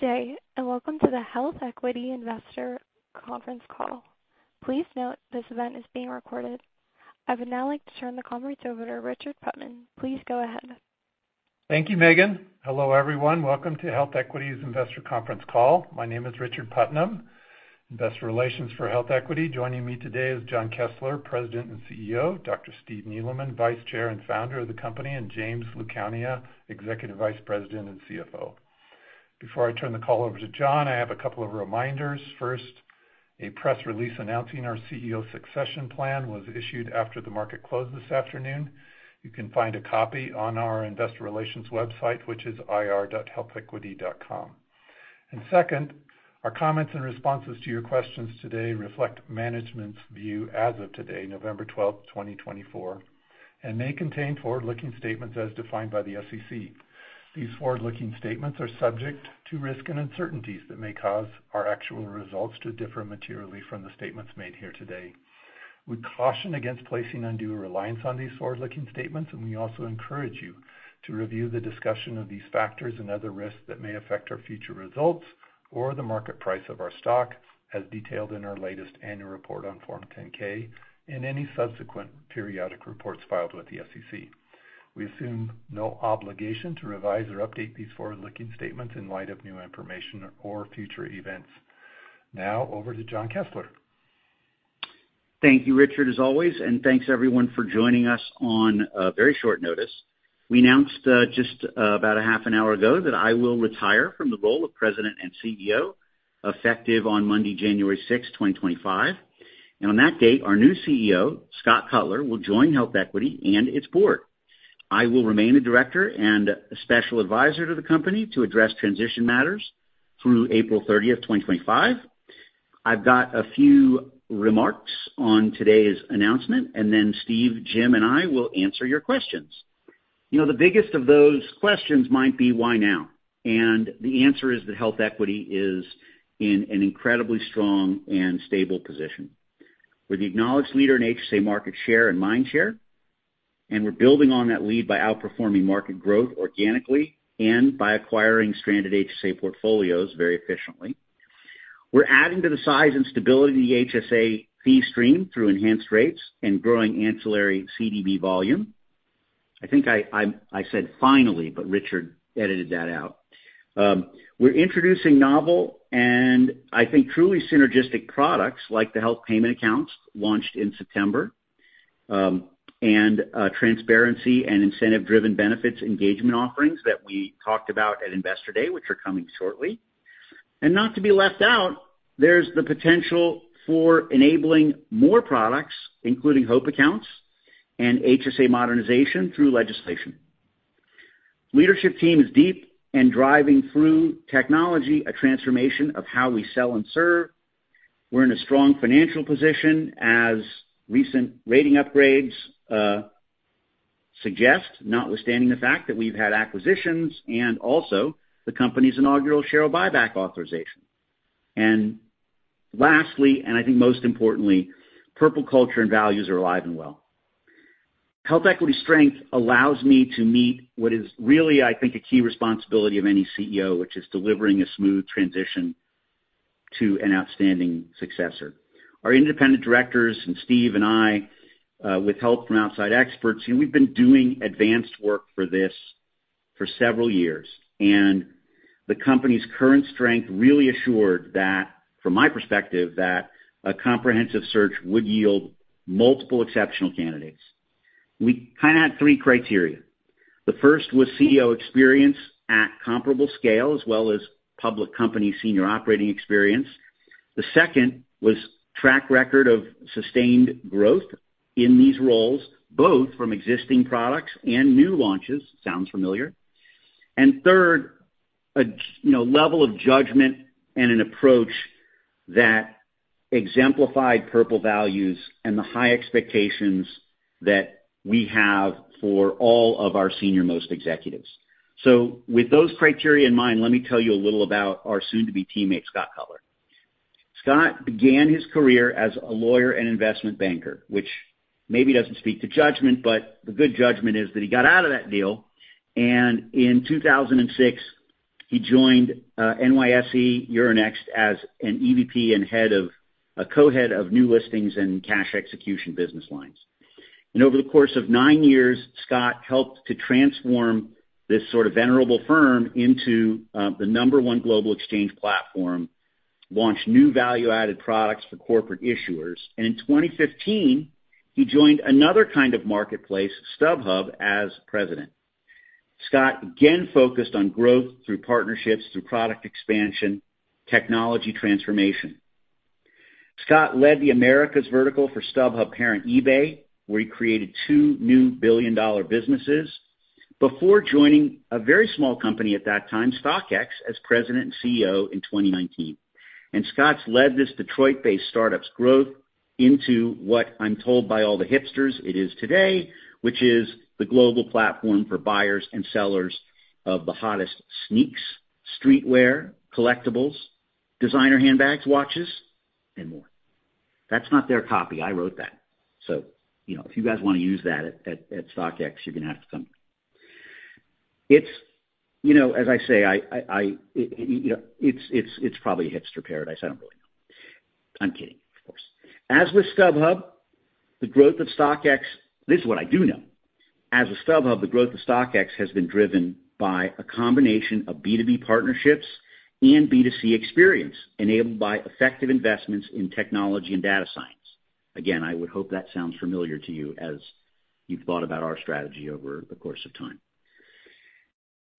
Good day and welcome to the HealthEquity Investor Conference Call. Please note this event is being recorded. I would now like to turn the conference over to Richard Putnam. Please go ahead. Thank you, Megan. Hello, everyone. Welcome to HealthEquity's Investor Conference Call. My name is Richard Putnam, Investor Relations for HealthEquity. Joining me today is Jon Kessler, President and CEO, Dr. Steve Neeleman, Vice Chair and Founder of the company, and James Lucania, Executive Vice President and CFO. Before I turn the call over to Jon, I have a couple of reminders. First, a press release announcing our CEO succession plan was issued after the market closed this afternoon. You can find a copy on our Investor Relations website, which is ir.healthequity.com. And second, our comments and responses to your questions today reflect management's view as of today, November 12, 2024, and may contain forward-looking statements as defined by the SEC. These forward-looking statements are subject to risk and uncertainties that may cause our actual results to differ materially from the statements made here today. We caution against placing undue reliance on these forward-looking statements, and we also encourage you to review the discussion of these factors and other risks that may affect our future results or the market price of our stock, as detailed in our latest annual report on Form 10-K and any subsequent periodic reports filed with the SEC. We assume no obligation to revise or update these forward-looking statements in light of new information or future events. Now, over to Jon Kessler. Thank you, Richard, as always, and thanks, everyone, for joining us on very short notice. We announced just about a half an hour ago that I will retire from the role of President and CEO effective on Monday, January 6, 2025, and on that date, our new CEO, Scott Cutler, will join HealthEquity and its board. I will remain a director and a special advisor to the company to address transition matters through April 30, 2025. I've got a few remarks on today's announcement, and then Steve, Jim, and I will answer your questions. You know, the biggest of those questions might be, "Why now?" The answer is that HealthEquity is in an incredibly strong and stable position. We're the acknowledged leader in HSA market share and mind share, and we're building on that lead by outperforming market growth organically and by acquiring stranded HSA portfolios very efficiently. We're adding to the size and stability of the HSA fee stream through enhanced rates and growing ancillary CDB volume. I think I said "finally," but Richard edited that out. We're introducing novel and, I think, truly synergistic products like the Health Payment Accounts launched in September and transparency and incentive-driven benefits engagement offerings that we talked about at Investor Day, which are coming shortly. And not to be left out, there's the potential for enabling more products, including HOPE accounts and HSA modernization through legislation. Leadership team is deep and driving through technology a transformation of how we sell and serve. We're in a strong financial position, as recent rating upgrades suggest, notwithstanding the fact that we've had acquisitions and also the company's inaugural share buyback authorization. And lastly, and I think most importantly, purple culture and values are alive and well. HealthEquity's strength allows me to meet what is really, I think, a key responsibility of any CEO, which is delivering a smooth transition to an outstanding successor. Our independent directors and Steve and I, with help from outside experts, we've been doing advanced work for this for several years, and the company's current strength really assured that, from my perspective, a comprehensive search would yield multiple exceptional candidates. We kind of had three criteria. The first was CEO experience at comparable scale as well as public company senior operating experience. The second was track record of sustained growth in these roles, both from existing products and new launches. Sounds familiar. And third, a level of judgment and an approach that exemplified purple values and the high expectations that we have for all of our senior-most executives. So with those criteria in mind, let me tell you a little about our soon-to-be teammate, Scott Cutler. Scott began his career as a lawyer and investment banker, which maybe doesn't speak to judgment, but the good judgment is that he got out of that deal. And in 2006, he joined NYSE Euronext as an EVP and co-head of new listings and cash execution business lines. And over the course of nine years, Scott helped to transform this sort of venerable firm into the number one global exchange platform, launch new value-added products for corporate issuers. And in 2015, he joined another kind of marketplace, StubHub, as President. Scott again focused on growth through partnerships, through product expansion, technology transformation. Scott led the Americas vertical for StubHub parent eBay, where he created two new billion-dollar businesses before joining a very small company at that time, StockX, as President and CEO in 2019. And Scott's led this Detroit-based startup's growth into what I'm told by all the hipsters it is today, which is the global platform for buyers and sellers of the hottest sneaks, streetwear, collectibles, designer handbags, watches, and more. That's not their copy. I wrote that. So if you guys want to use that at StockX, you're going to have to come here. It's, as I say, it's probably a hipster paradise. I don't really know. I'm kidding, of course. As with StubHub, the growth of StockX. This is what I do know. As with StubHub, the growth of StockX has been driven by a combination of B2B partnerships and B2C experience enabled by effective investments in technology and data science. Again, I would hope that sounds familiar to you as you've thought about our strategy over the course of time.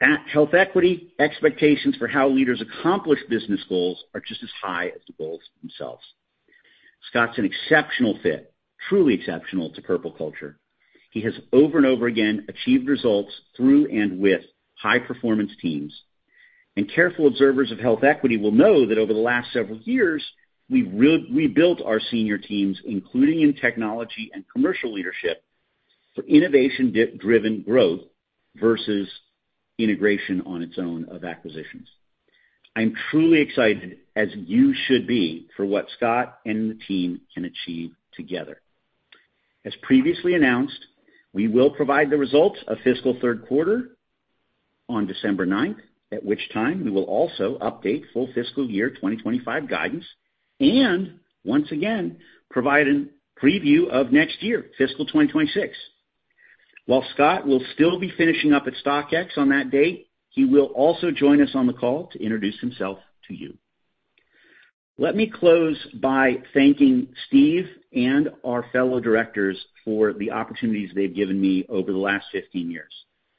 At HealthEquity, expectations for how leaders accomplish business goals are just as high as the goals themselves. Scott's an exceptional fit, truly exceptional to purple culture. He has over and over again achieved results through and with high-performance teams. And careful observers of HealthEquity will know that over the last several years, we've rebuilt our senior teams, including in technology and commercial leadership, for innovation-driven growth versus integration on its own of acquisitions. I'm truly excited, as you should be, for what Scott and the team can achieve together. As previously announced, we will provide the results of fiscal third quarter on December 9th, at which time we will also update full fiscal year 2025 guidance and, once again, provide a preview of next year, fiscal 2026. While Scott will still be finishing up at StockX on that date, he will also join us on the call to introduce himself to you. Let me close by thanking Steve and our fellow directors for the opportunities they've given me over the last 15 years.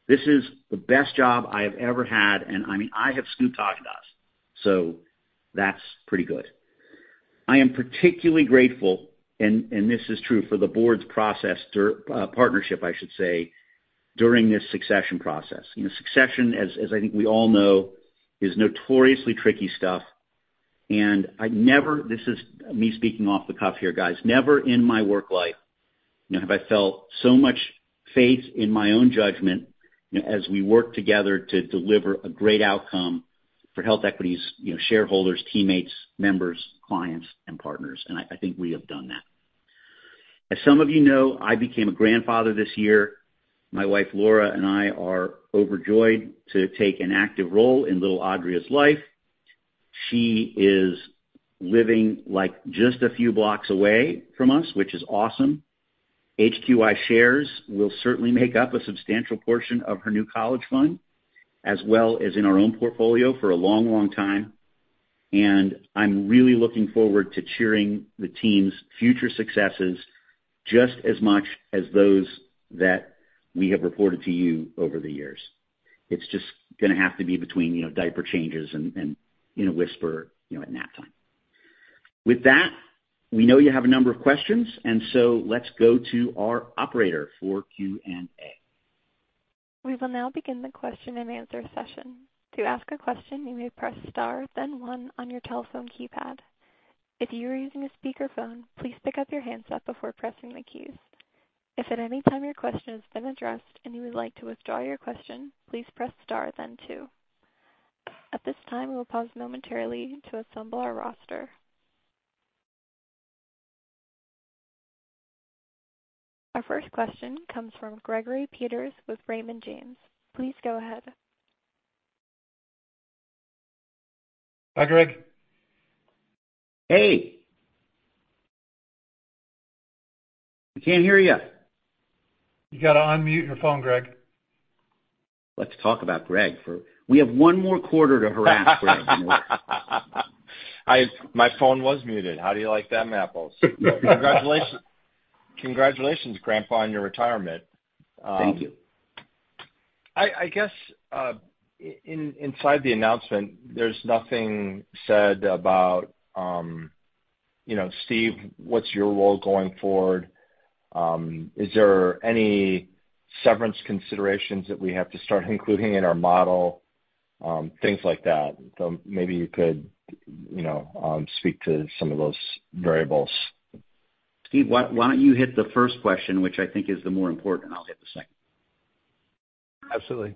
This is the best job I have ever had, and I mean, I have scooped hotdogs. So that's pretty good. I am particularly grateful, and this is true for the board's process partnership, I should say, during this succession process. Succession, as I think we all know, is notoriously tricky stuff. And this is me speaking off the cuff here, guys. Never in my work life have I felt so much faith in my own judgment as we work together to deliver a great outcome for HealthEquity's shareholders, teammates, members, clients, and partners. And I think we have done that. As some of you know, I became a grandfather this year. My wife, Laura, and I are overjoyed to take an active role in little Audria's life. She is living just a few blocks away from us, which is awesome. HQI shares will certainly make up a substantial portion of her new college fund, as well as in our own portfolio for a long, long time. And I'm really looking forward to cheering the team's future successes just as much as those that we have reported to you over the years. It's just going to have to be between diaper changes and a whisper at nap time. With that, we know you have a number of questions, and so let's go to our operator for Q&A. We will now begin the question and answer session. To ask a question, you may press star, then one on your telephone keypad. If you are using a speakerphone, please pick up the handset before pressing the keys. If at any time your question has been addressed and you would like to withdraw your question, please press star, then two. At this time, we will pause momentarily to assemble our roster. Our first question comes from Gregory Peters with Raymond James. Please go ahead. Hi, Greg. Hey. We can't hear you. You got to unmute your phone, Greg. Let's talk about Greg. We have one more quarter to harass Greg. My phone was muted. How do you like that, Matt Bose? Congratulations, Grandpa, on your retirement. Thank you. I guess inside the announcement, there's nothing said about, "Steve, what's your role going forward? Is there any severance considerations that we have to start including in our model?" Things like that. So maybe you could speak to some of those variables. Steve, why don't you hit the first question, which I think is the more important, and I'll hit the second. Absolutely.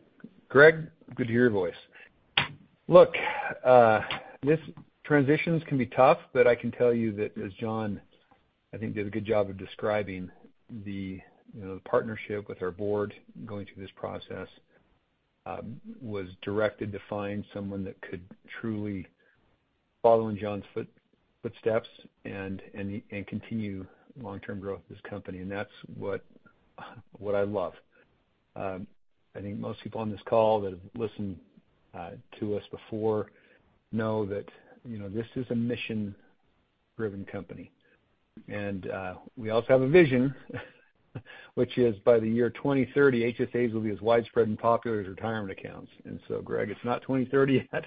Greg, good to hear your voice. Look, these transitions can be tough, but I can tell you that, as Jon, I think, did a good job of describing the partnership with our board going through this process was directed to find someone that could truly follow in Jon's footsteps and continue long-term growth of this company. And that's what I love. I think most people on this call that have listened to us before know that this is a mission-driven company. And we also have a vision, which is by the year 2030, HSAs will be as widespread and popular as retirement accounts. And so, Greg, it's not 2030 yet,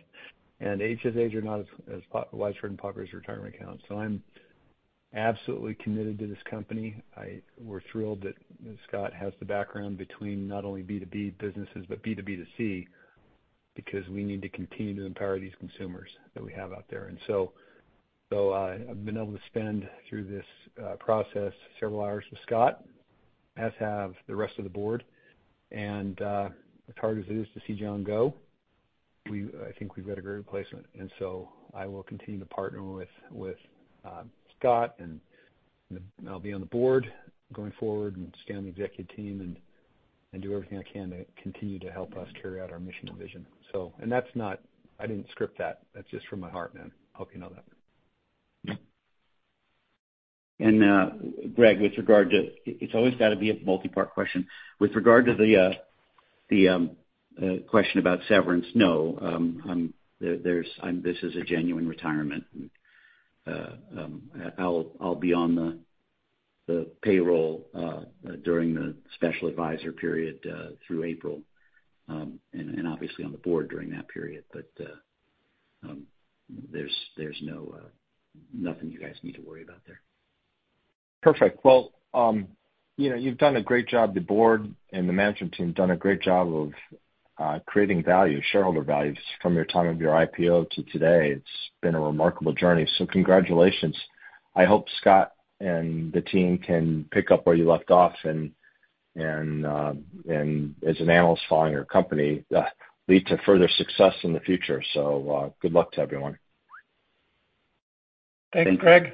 and HSAs are not as widespread and popular as retirement accounts. So I'm absolutely committed to this company. We're thrilled that Scott has the background between not only B2B businesses but B2B2C because we need to continue to empower these consumers that we have out there. And so I've been able to spend, through this process, several hours with Scott, as have the rest of the board. And as hard as it is to see Jon go, I think we've got a great replacement. And so I will continue to partner with Scott, and I'll be on the board going forward and stay on the executive team and do everything I can to continue to help us carry out our mission and vision. And that's not. I didn't script that. That's just from my heart, man. I hope you know that. And Greg, with regard to, it's always got to be a multi-part question. With regard to the question about severance, no. This is a genuine retirement. I'll be on the payroll during the special advisor period through April and obviously on the board during that period. But there's nothing you guys need to worry about there. Perfect. Well, you've done a great job. The board and the management team have done a great job of creating value, shareholder values, from the time of your IPO to today. It's been a remarkable journey. So congratulations. I hope Scott and the team can pick up where you left off and, as an analyst following your company, lead to further success in the future. So good luck to everyone. Thank you, Greg.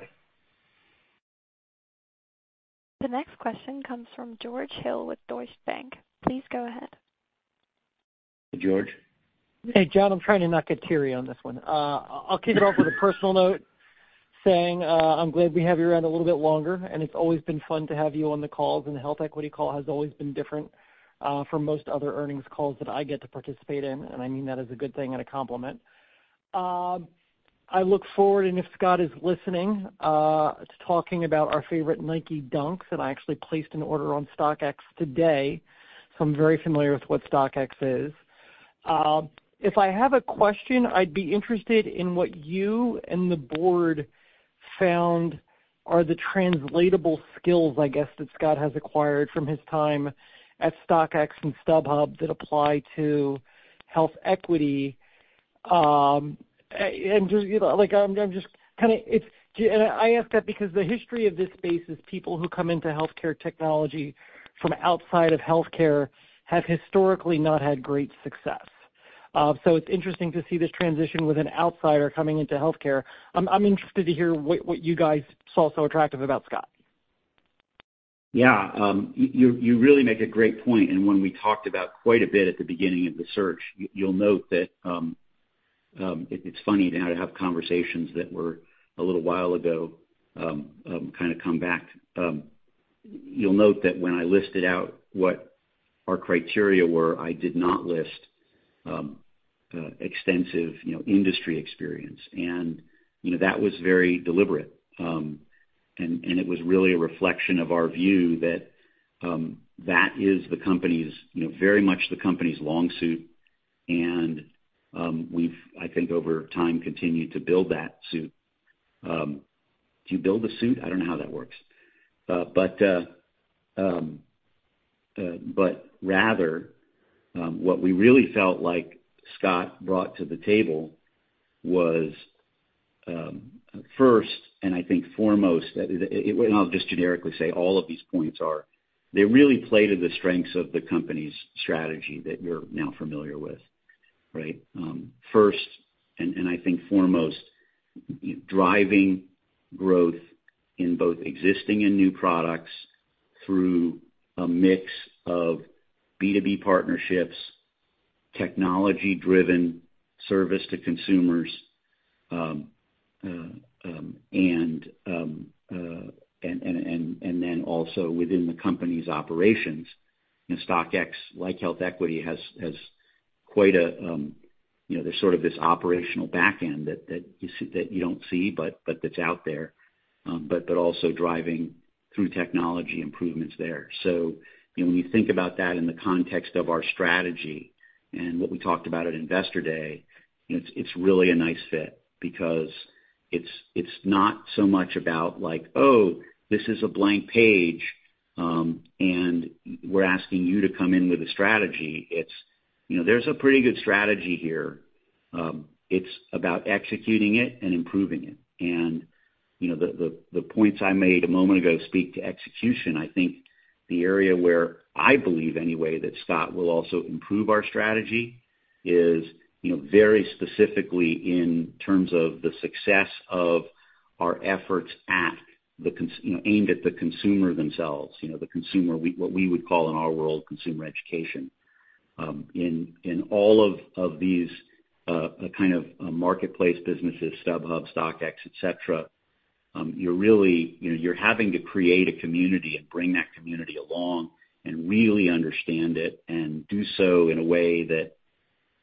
The next question comes from George Hill with Deutsche Bank. Please go ahead. Hey, George. Hey, Jon. I'm trying to not get teary on this one. I'll kick it off with a personal note saying I'm glad we have you around a little bit longer, and it's always been fun to have you on the calls, and the HealthEquity call has always been different from most other earnings calls that I get to participate in, and I mean that as a good thing and a compliment. I look forward, and if Scott is listening, to talking about our favorite Nike Dunks that I actually placed an order on StockX today, so I'm very familiar with what StockX is. If I have a question, I'd be interested in what you and the board found are the translatable skills, I guess, that Scott has acquired from his time at StockX and StubHub that apply to HealthEquity. I ask that because the history of this space is people who come into healthcare technology from outside of healthcare have historically not had great success. So it's interesting to see this transition with an outsider coming into healthcare. I'm interested to hear what you guys saw so attractive about Scott. Yeah. You really make a great point, and when we talked about quite a bit at the beginning of the search, you'll note that it's funny now to have conversations that were a little while ago kind of come back. You'll note that when I listed out what our criteria were, I did not list extensive industry experience, and that was very deliberate, and it was really a reflection of our view that that is very much the company's long suit, and we've, I think, over time continued to build that suit. Do you build a suit? I don't know how that works, but rather, what we really felt like Scott brought to the table was, first and I think foremost, and I'll just generically say all of these points are, they really played to the strengths of the company's strategy that you're now familiar with, right? First and I think foremost, driving growth in both existing and new products through a mix of B2B partnerships, technology-driven service to consumers, and then also within the company's operations. StockX, like HealthEquity, has quite a sort of operational backend that you don't see but that's out there, but also driving through technology improvements there. So when you think about that in the context of our strategy and what we talked about at investor day, it's really a nice fit because it's not so much about like, "Oh, this is a blank page, and we're asking you to come in with a strategy." It's, "There's a pretty good strategy here. It's about executing it and improving it." And the points I made a moment ago speak to execution. I think the area where I believe, anyway, that Scott will also improve our strategy is very specifically in terms of the success of our efforts aimed at the consumer themselves, the consumer, what we would call in our world, consumer education. In all of these kind of marketplace businesses, StubHub, StockX, etc., you're having to create a community and bring that community along and really understand it and do so in a way that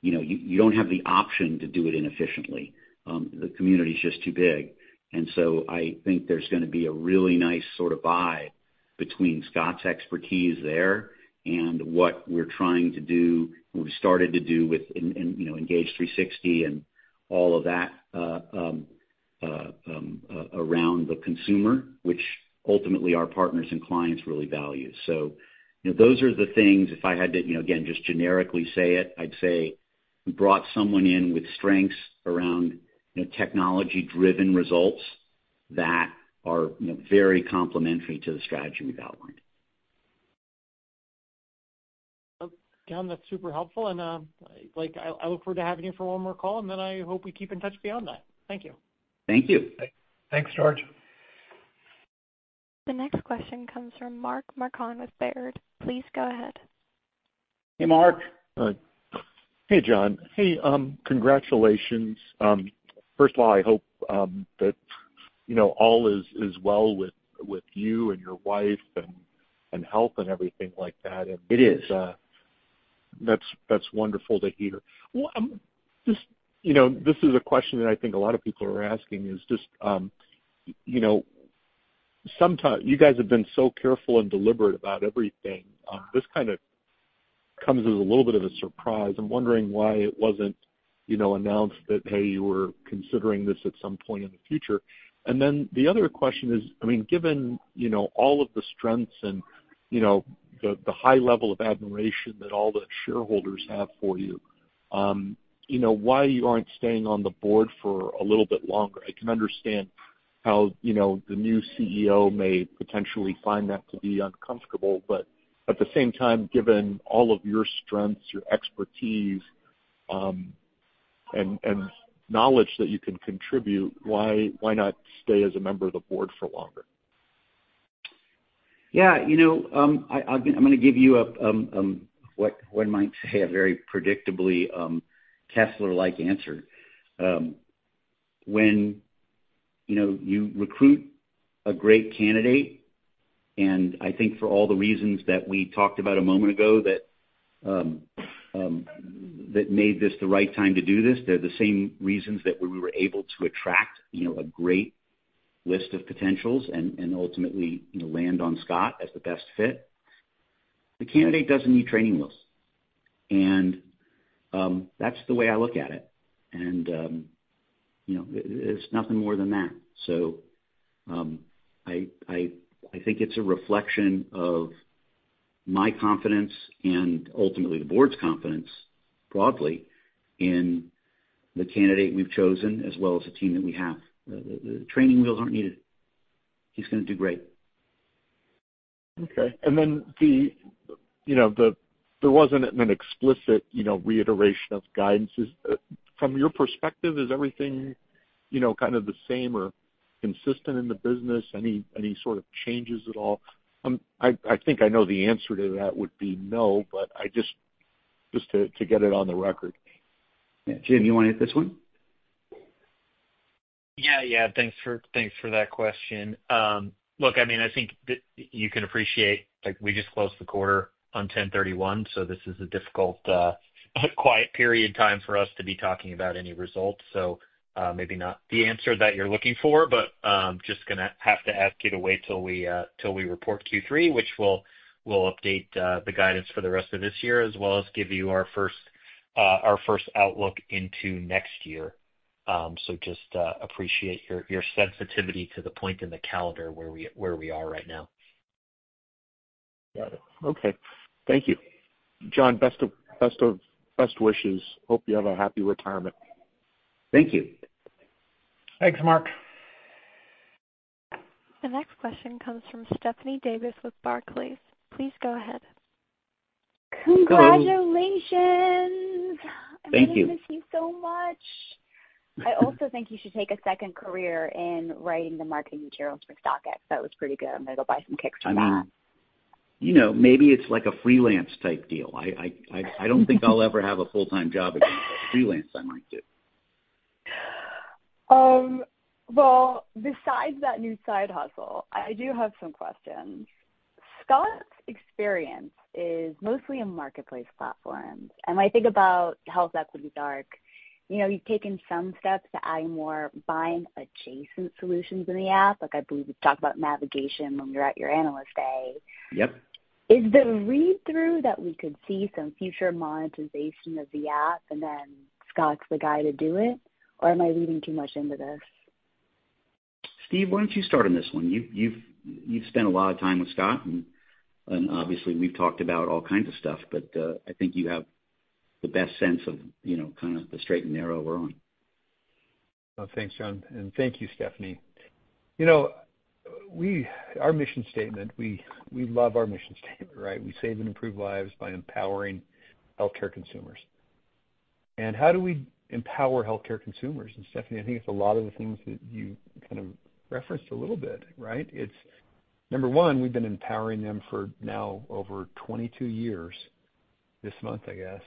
you don't have the option to do it inefficiently. The community is just too big. And so I think there's going to be a really nice sort of vibe between Scott's expertise there and what we're trying to do, what we've started to do with Engage360 and all of that around the consumer, which ultimately our partners and clients really value. So those are the things. If I had to, again, just generically say it, I'd say we brought someone in with strengths around technology-driven results that are very complementary to the strategy we've outlined. Jon, that's super helpful. And I look forward to having you for one more call, and then I hope we keep in touch beyond that. Thank you. Thank you. Thanks, George. The next question comes from Mark Marcon with Baird. Please go ahead. Hey, Mark. Hey, Jon. Hey, congratulations. First of all, I hope that all is well with you and your wife and health and everything like that. It is. That's wonderful to hear. This is a question that I think a lot of people are asking, is just you guys have been so careful and deliberate about everything. This kind of comes as a little bit of a surprise. I'm wondering why it wasn't announced that, "Hey, you were considering this at some point in the future." And then the other question is, I mean, given all of the strengths and the high level of admiration that all the shareholders have for you, why you aren't staying on the board for a little bit longer? I can understand how the new CEO may potentially find that to be uncomfortable. But at the same time, given all of your strengths, your expertise, and knowledge that you can contribute, why not stay as a member of the board for longer? Yeah. I'm going to give you what might be a very predictably Kessler-like answer. When you recruit a great candidate, and I think for all the reasons that we talked about a moment ago that made this the right time to do this, they're the same reasons that we were able to attract a great list of potentials and ultimately land on Scott as the best fit. The candidate doesn't need training wheels. And that's the way I look at it. And it's nothing more than that. So I think it's a reflection of my confidence and ultimately the board's confidence broadly in the candidate we've chosen as well as the team that we have. The training wheels aren't needed. He's going to do great. Okay. And then there wasn't an explicit reiteration of guidance. From your perspective, is everything kind of the same or consistent in the business? Any sort of changes at all? I think I know the answer to that would be no, but just to get it on the record. Jim, you want to hit this one? Yeah, yeah. Thanks for that question. Look, I mean, I think you can appreciate we just closed the quarter on 10/31, so this is a difficult, quiet period of time for us to be talking about any results. So maybe not the answer that you're looking for, but just going to have to ask you to wait till we report Q3, which will update the guidance for the rest of this year as well as give you our first outlook into next year. So just appreciate your sensitivity to the point in the calendar where we are right now. Got it. Okay. Thank you. Jon, best wishes. Hope you have a happy retirement. Thank you. Thanks, Mark. The next question comes from Stephanie Davis with Barclays. Please go ahead. Congratulations. Thank you. I really miss you so much. I also think you should take a second career in writing the marketing materials for StockX. That was pretty good. I'm going to go buy some kicks for me. Maybe it's like a freelance-type deal. I don't think I'll ever have a full-time job again. But freelance, I might do. Besides that new side hustle, I do have some questions. Scott's experience is mostly in marketplace platforms. And when I think about HealthEquity's own, you've taken some steps to adding more buying adjacent solutions in the app. I believe we talked about navigation when we were at your Analyst Day. Is the read-through that we could see some future monetization of the app and then Scott's the guy to do it? Or am I reading too much into this? Steve, why don't you start on this one? You've spent a lot of time with Scott, and obviously, we've talked about all kinds of stuff. But I think you have the best sense of kind of the straight and narrow we're on. Well, thanks, Jon. And thank you, Stephanie. Our mission statement, we love our mission statement, right? We save and improve lives by empowering healthcare consumers. And how do we empower healthcare consumers? And Stephanie, I think it's a lot of the things that you kind of referenced a little bit, right? Number one, we've been empowering them for now over 22 years this month, I guess,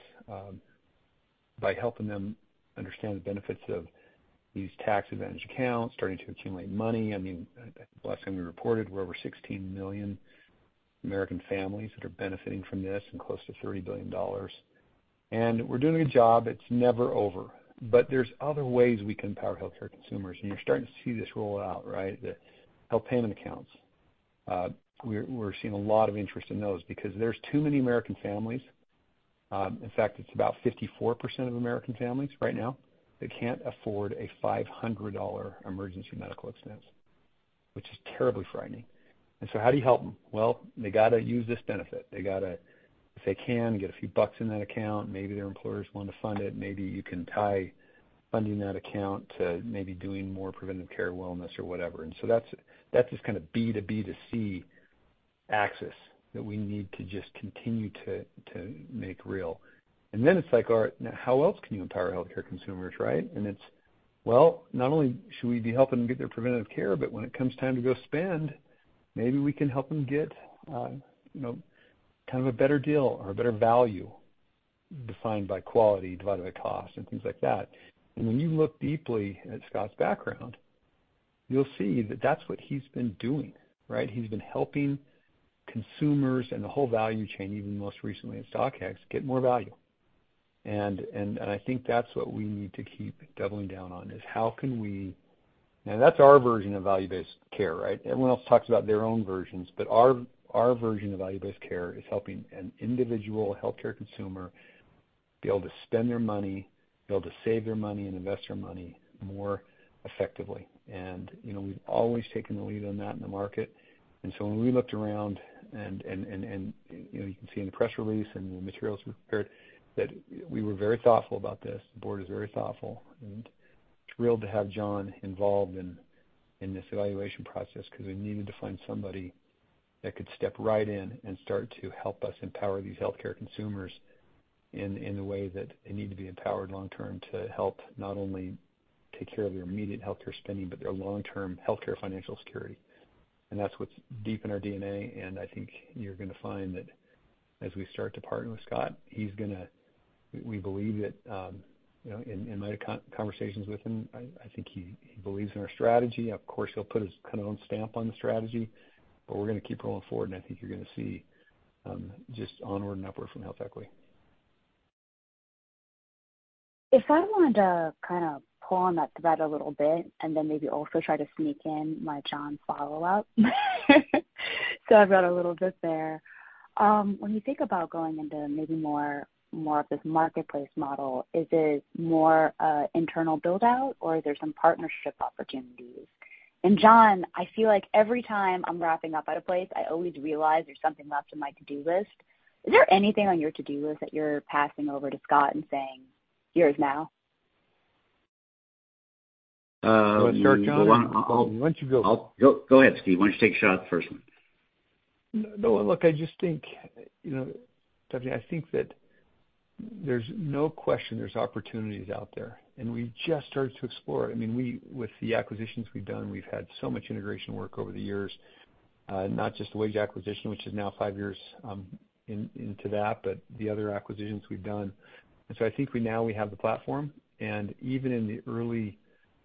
by helping them understand the benefits of these tax-advantaged accounts, starting to accumulate money. I mean, the last time we reported, we're over 16 million American families that are benefiting from this and close to $30 billion. And we're doing a good job. It's never over. But there's other ways we can empower healthcare consumers. And you're starting to see this roll out, right? The Health Payment Accounts. We're seeing a lot of interest in those because there's too many American families. In fact, it's about 54% of American families right now that can't afford a $500 emergency medical expense, which is terribly frightening. And so how do you help them? Well, they got to use this benefit. They got to, if they can, get a few bucks in that account. Maybe their employer's willing to fund it. Maybe you can tie funding that account to maybe doing more preventive care, wellness, or whatever. And so that's this kind of B2B2C axis that we need to just continue to make real. And then it's like, "All right. Now, how else can you empower healthcare consumers, right?" And it's, "Well, not only should we be helping them get their preventative care, but when it comes time to go spend, maybe we can help them get kind of a better deal or a better value defined by quality, divided by cost, and things like that." And when you look deeply at Scott's background, you'll see that that's what he's been doing, right? He's been helping consumers and the whole value chain, even most recently at StockX, get more value. And I think that's what we need to keep doubling down on, is how can we, and that's our version of value-based care, right? Everyone else talks about their own versions. But our version of value-based care is helping an individual healthcare consumer be able to spend their money, be able to save their money, and invest their money more effectively. We've always taken the lead on that in the market. And so when we looked around, and you can see in the press release and the materials we prepared, that we were very thoughtful about this. The board is very thoughtful. And thrilled to have Jon involved in this evaluation process because we needed to find somebody that could step right in and start to help us empower these healthcare consumers in the way that they need to be empowered long-term to help not only take care of their immediate healthcare spending, but their long-term healthcare financial security. And that's what's deep in our DNA. And I think you're going to find that as we start to partner with Scott, he's going to. We believe that in my conversations with him, I think he believes in our strategy. Of course, he'll put his kind of own stamp on the strategy. But we're going to keep rolling forward. And I think you're going to see just onward and upward from HealthEquity. If I wanted to kind of pull on that thread a little bit and then maybe also try to sneak in my Jon follow-up, so I've got a little bit there. When you think about going into maybe more of this marketplace model, is it more an internal build-out, or are there some partnership opportunities? And Jon, I feel like every time I'm wrapping up at a place, I always realize there's something left on my to-do list. Is there anything on your to-do list that you're passing over to Scott and saying, "Here's now"? Go ahead, Jon. Why don't you go? Go ahead, Steve. Why don't you take a shot at the first one? No, look, I just think, Stephanie, I think that there's no question there's opportunities out there and we just started to explore it. I mean, with the acquisitions we've done, we've had so much integration work over the years, not just wage acquisition, which is now five years into that, but the other acquisitions we've done and so I think now we have the platform and even in the early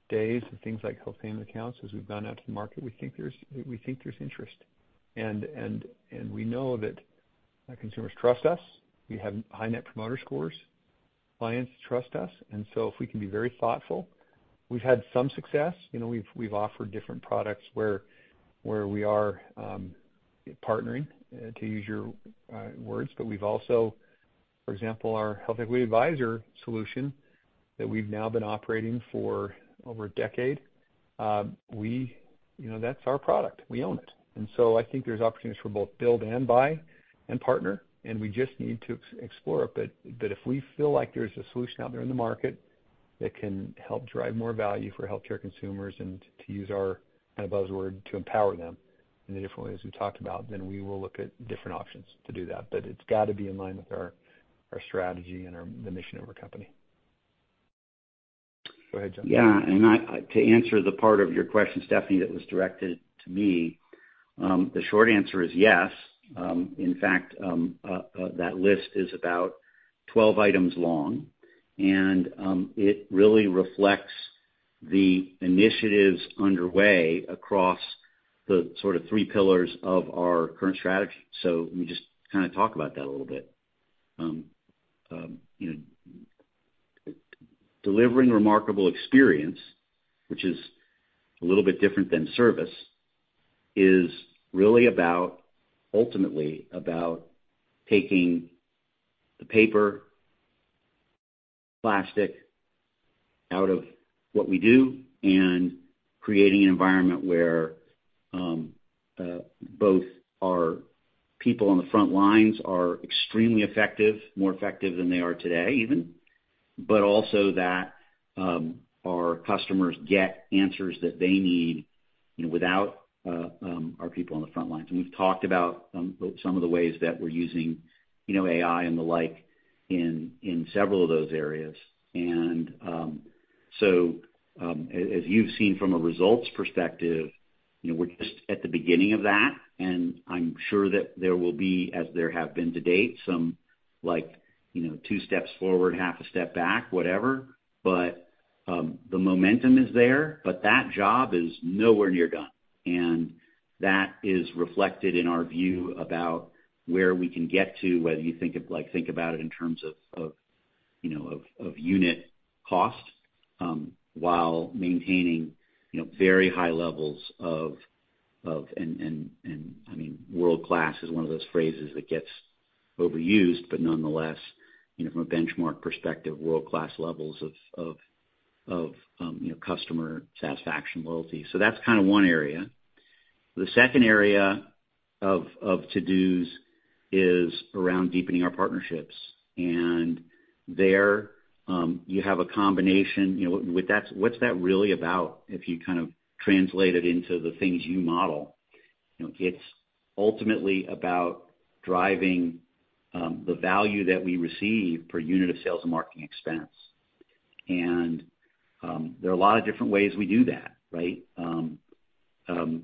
days of things like Health Payment Accounts, as we've gone out to the market, we think there's interest and we know that consumers trust us. We have high Net Promoter scores. Clients trust us and so if we can be very thoughtful, we've had some success. We've offered different products where we are partnering, to use your words but we've also, for example, our HealthEquity Advisor solution that we've now been operating for over a decade, that's our product. We own it, and so I think there's opportunities for both build, buy, and partner, and we just need to explore it, but if we feel like there's a solution out there in the market that can help drive more value for healthcare consumers and to use our kind of buzzword to empower them in the different ways we've talked about, then we will look at different options to do that, but it's got to be in line with our strategy and the mission of our company. Go ahead, Jon. Yeah. And to answer the part of your question, Stephanie, that was directed to me, the short answer is yes. In fact, that list is about 12 items long. And it really reflects the initiatives underway across the sort of three pillars of our current strategy. So let me just kind of talk about that a little bit. Delivering remarkable experience, which is a little bit different than service, is really ultimately about taking the paper, plastic out of what we do and creating an environment where both our people on the front lines are extremely effective, more effective than they are today even, but also that our customers get answers that they need without our people on the front lines. And we've talked about some of the ways that we're using AI and the like in several of those areas. And so as you've seen from a results perspective, we're just at the beginning of that. And I'm sure that there will be, as there have been to date, some two steps forward, half a step back, whatever. But the momentum is there. But that job is nowhere near done. And that is reflected in our view about where we can get to, whether you think about it in terms of unit cost while maintaining very high levels of, and I mean, world-class is one of those phrases that gets overused, but nonetheless, from a benchmark perspective, world-class levels of customer satisfaction, loyalty. So that's kind of one area. The second area of to-dos is around deepening our partnerships. And there, you have a combination. What's that really about, if you kind of translate it into the things you model? It's ultimately about driving the value that we receive per unit of sales and marketing expense. And there are a lot of different ways we do that, right?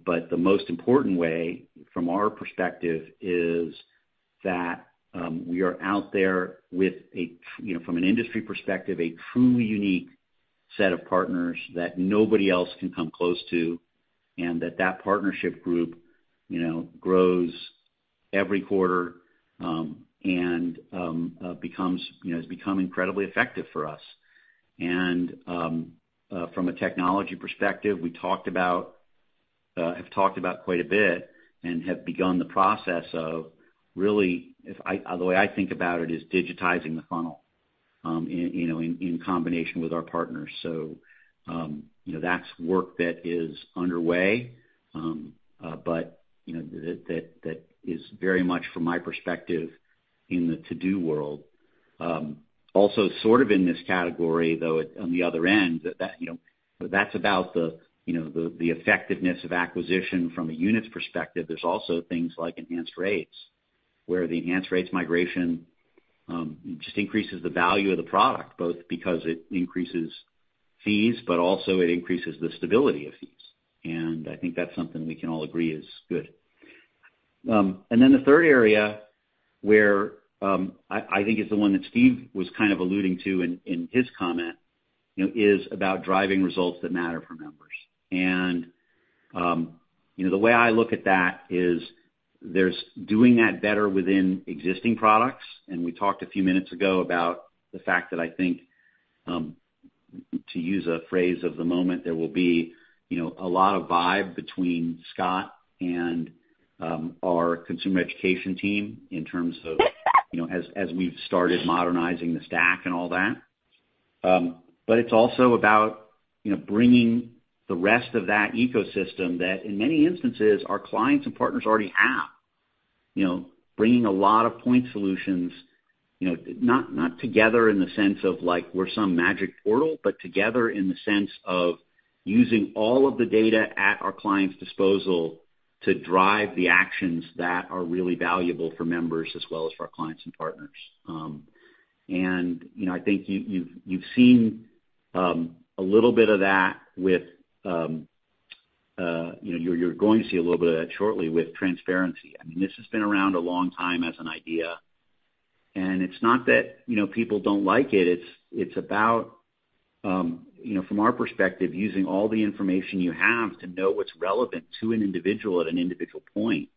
But the most important way, from our perspective, is that we are out there with, from an industry perspective, a truly unique set of partners that nobody else can come close to and that that partnership group grows every quarter and has become incredibly effective for us. And from a technology perspective, we have talked about quite a bit and have begun the process of really, the way I think about it is digitizing the funnel in combination with our partners. So that's work that is underway, but that is very much, from my perspective, in the to-do world. Also, sort of in this category, though, on the other end, that's about the effectiveness of acquisition from a unit's perspective. There's also things like enhanced rates, where the enhanced rates migration just increases the value of the product, both because it increases fees, but also it increases the stability of fees. And I think that's something we can all agree is good. And then the third area, where I think is the one that Steve was kind of alluding to in his comment, is about driving results that matter for members. And the way I look at that is there's doing that better within existing products. And we talked a few minutes ago about the fact that I think, to use a phrase of the moment, there will be a lot of vibe between Scott and our consumer education team in terms of as we've started modernizing the stack and all that. But it's also about bringing the rest of that ecosystem that, in many instances, our clients and partners already have, bringing a lot of point solutions, not together in the sense of like we're some magic portal, but together in the sense of using all of the data at our client's disposal to drive the actions that are really valuable for members as well as for our clients and partners. And I think you've seen a little bit of that with—you're going to see a little bit of that shortly with transparency. I mean, this has been around a long time as an idea. And it's not that people don't like it. It's about, from our perspective, using all the information you have to know what's relevant to an individual at an individual point.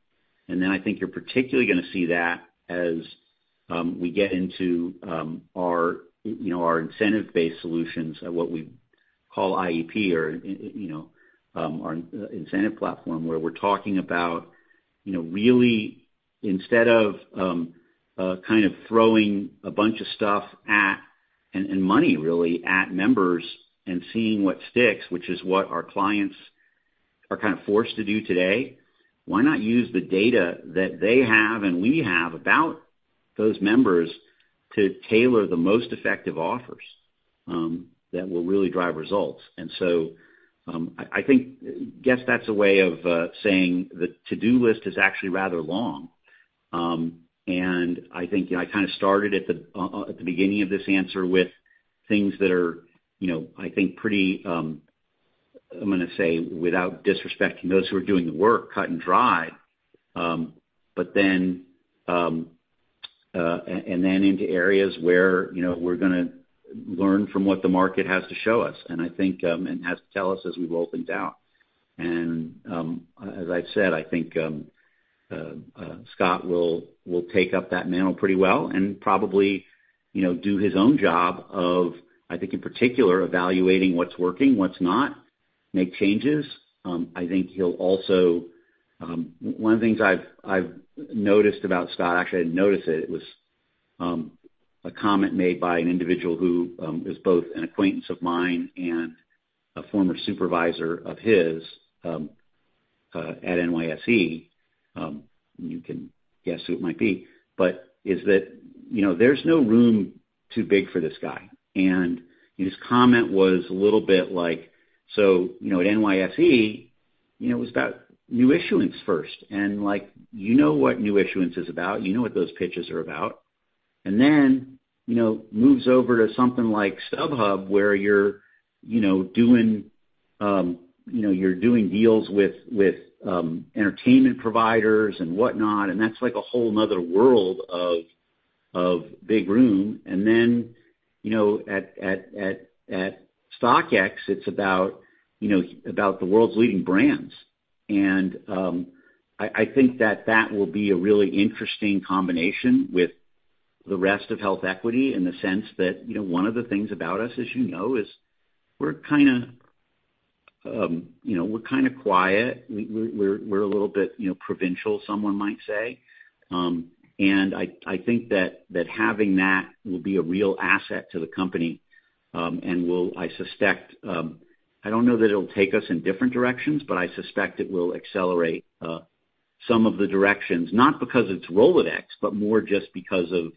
And then I think you're particularly going to see that as we get into our incentive-based solutions at what we call IEP or our incentive platform, where we're talking about really, instead of kind of throwing a bunch of stuff at, and money, really, at members and seeing what sticks, which is what our clients are kind of forced to do today, why not use the data that they have and we have about those members to tailor the most effective offers that will really drive results? And so I guess that's a way of saying the to-do list is actually rather long. I think I kind of started at the beginning of this answer with things that are, I think, pretty, I'm going to say, without disrespect to those who are doing the work, cut and dried, but then into areas where we're going to learn from what the market has to show us and has to tell us as we roll things out. As I've said, I think Scott will take up that mantle pretty well and probably do his own job of, I think, in particular, evaluating what's working, what's not, make changes. I think he'll also, one of the things I've noticed about Scott, actually, I didn't notice it. It was a comment made by an individual who is both an acquaintance of mine and a former supervisor of his at NYSE. You can guess who it might be. But that there's no room too big for this guy. And his comment was a little bit like, "So at NYSE, it was about new issuance first. And you know what new issuance is about. You know what those pitches are about." And then moves over to something like StubHub, where you're doing deals with entertainment providers and whatnot. And that's like a whole nother world of big room. And then at StockX, it's about the world's leading brands. And I think that that will be a really interesting combination with the rest of HealthEquity in the sense that one of the things about us, as you know, is we're kind of, we're kind of quiet. We're a little bit provincial, someone might say. And I think that having that will be a real asset to the company. I don't know that it'll take us in different directions, but I suspect it will accelerate some of the directions, not because it's Rolodex, but more just because of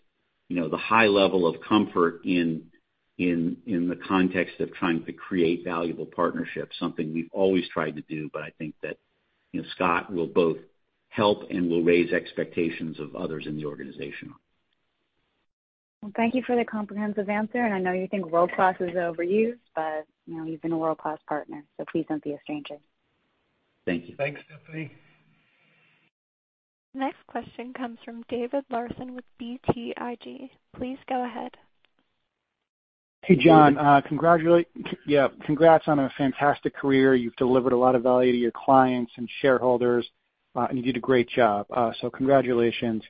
the high level of comfort in the context of trying to create valuable partnerships, something we've always tried to do. But I think that Scott will both help and will raise expectations of others in the organization. Thank you for the comprehensive answer. I know you think world-class is overused, but you've been a world-class partner. Please don't be a stranger. Thank you. Thanks, Stephanie. Next question comes from David Larson with BTIG. Please go ahead. Hey, Jon. Yeah. Congrats on a fantastic career. You've delivered a lot of value to your clients and shareholders, and you did a great job, so congratulations.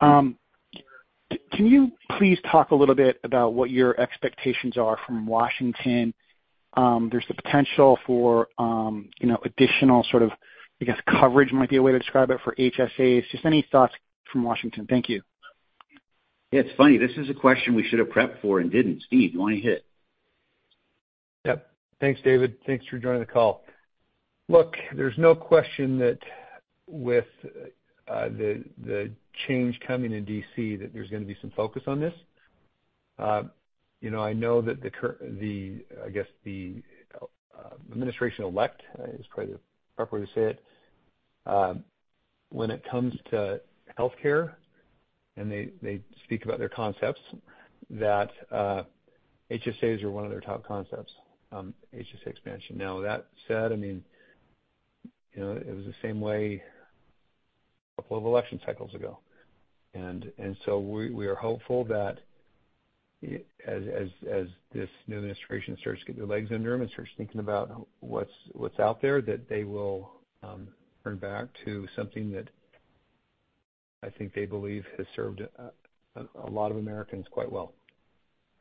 Can you please talk a little bit about what your expectations are from Washington? There's the potential for additional sort of, I guess, coverage might be a way to describe it for HSAs. Just any thoughts from Washington? Thank you. Yeah. It's funny. This is a question we should have prepped for and didn't. Steve, you want to hit it? Yep. Thanks, David. Thanks for joining the call. Look, there's no question that with the change coming in DC, that there's going to be some focus on this. I know that the, I guess, the administration-elect is probably the proper way to say it. When it comes to healthcare, and they speak about their concepts, that HSAs are one of their top concepts, HSA expansion. Now, that said, I mean, it was the same way a couple of election cycles ago. And so we are hopeful that as this new administration starts to get their legs under them and starts thinking about what's out there, that they will turn back to something that I think they believe has served a lot of Americans quite well.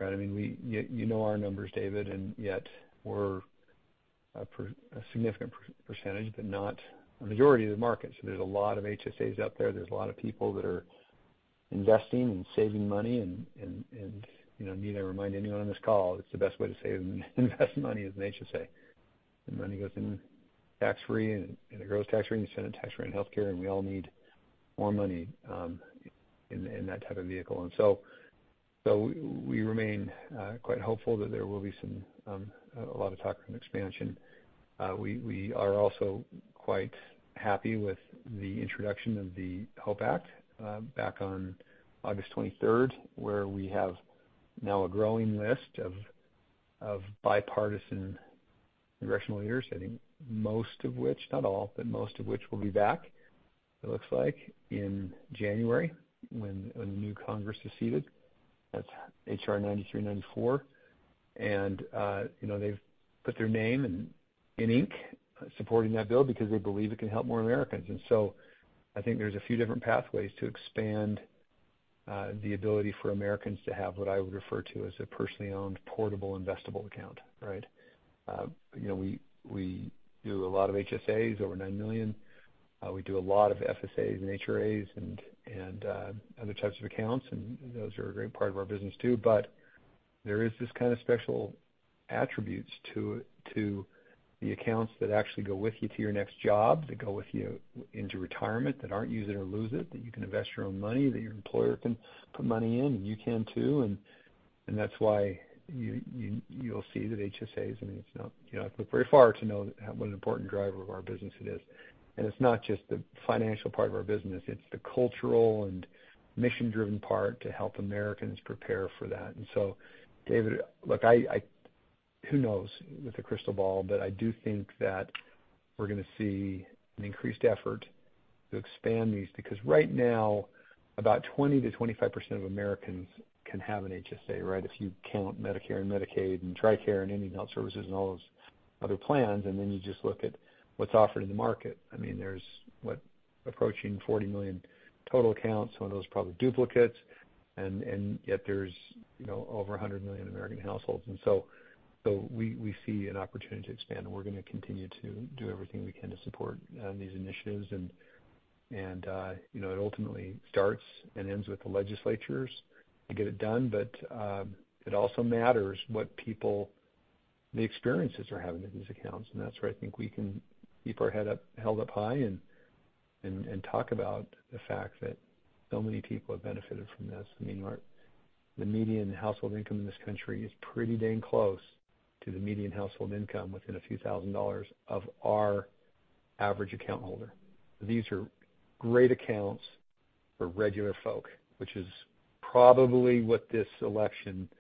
I mean, you know our numbers, David, and yet we're a significant percentage, but not a majority of the market. So there's a lot of HSAs out there. There's a lot of people that are investing and saving money. And need I remind anyone on this call, it's the best way to save and invest money is in HSA. And money goes in tax-free, and it grows tax-free, and you spend it tax-free on healthcare. And we all need more money in that type of vehicle. And so we remain quite hopeful that there will be a lot of talk around expansion. We are also quite happy with the introduction of the HOPE Act back on August 23rd, where we have now a growing list of bipartisan congressional leaders, I think most of which—not all, but most of which—will be back, it looks like, in January when the new Congress is seated. That's HR 9394. And they've put their name in ink supporting that bill because they believe it can help more Americans. And so I think there's a few different pathways to expand the ability for Americans to have what I would refer to as a personally owned portable investable account, right? We do a lot of HSAs over nine million. We do a lot of FSAs and HRAs and other types of accounts. And those are a great part of our business too. But there is this kind of special attributes to the accounts that actually go with you to your next job, that go with you into retirement, that aren't use it or lose it, that you can invest your own money, that your employer can put money in, and you can too. And that's why you'll see that HSAs, I mean, it's not. I've looked very far to know what an important driver of our business it is. And it's not just the financial part of our business. It's the cultural and mission-driven part to help Americans prepare for that. And so, David, look, who knows with a crystal ball, but I do think that we're going to see an increased effort to expand these because right now, about 20%-25% of Americans can have an HSA, right, if you count Medicare and Medicaid and TRICARE and Any Health Services and all those other plans. And then you just look at what's offered in the market. I mean, there's what, approaching 40 million total accounts. Some of those are probably duplicates. And yet there's over 100 million American households. And so we see an opportunity to expand. And we're going to continue to do everything we can to support these initiatives. And it ultimately starts and ends with the legislatures to get it done. But it also matters what people, the experiences they're having with these accounts. And that's where I think we can keep our head held up high and talk about the fact that so many people have benefited from this. I mean, the median household income in this country is pretty dang close to the median household income within a few thousand dollars of our average account holder. These are great accounts for regular folk, which is probably what this election hinged on.